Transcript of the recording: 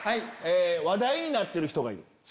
話題になってる人がいる。